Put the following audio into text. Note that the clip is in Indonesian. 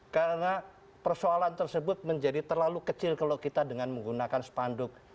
karena persoalan tersebut menjadi terlalu kecil kalau kita dengan menggunakan spanduk